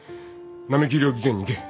ナミキ医療技研に行け。